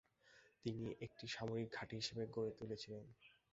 তিনি একটি সামরিক ঘাঁটি হিসেবে গড়ে তুলেছিলেন।